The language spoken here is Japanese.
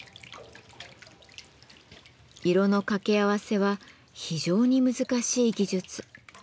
色の掛け合わせは非常に難しい技術。